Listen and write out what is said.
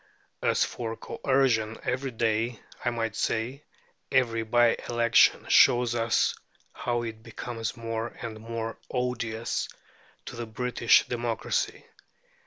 As for coercion every day, I might say, every bye election shows us how it becomes more and more odious to the British democracy.